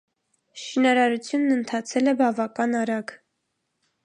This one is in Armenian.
Շինարարությունն ընթացել է բավական արագ։